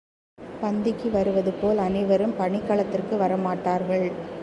பந்திக்கு வருவது போல் அனைவரும் பணிக் களத்திற்கு வரமாட்டார்கள்.